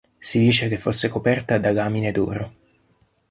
Si dice che fosse coperta da lamine d'oro.